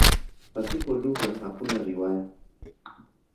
Pasipo lugha hakuna riwaya.